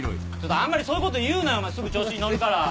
あんまりそういうこと言うなよすぐ調子に乗るから。